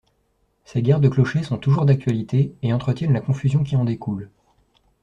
Ces guerres de clochers sont toujours d’actualité et entretiennent la confusion qui en découle.